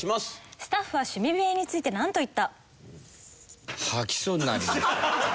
スタッフは趣味部屋についてなんと言った？